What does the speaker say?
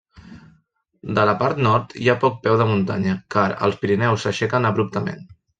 De la part nord hi ha poc peu de muntanya, car els Pirineus s'aixequen abruptament.